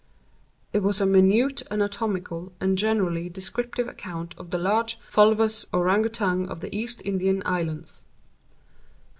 It was a minute anatomical and generally descriptive account of the large fulvous Ourang Outang of the East Indian Islands.